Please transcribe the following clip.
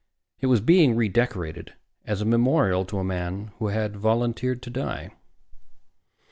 It was being redecorated as a memorial to a man who had volunteered to die.